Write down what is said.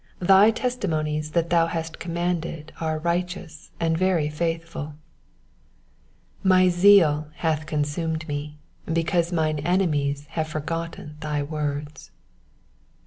138 Thy testimonies that thou hast commanded are righteous and very faithful. ' 139 My zeal hath consumed me, because mine enemies have forgotten thy words.